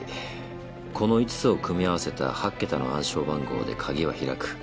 この５つを組み合わせた８桁の暗証番号で鍵は開く。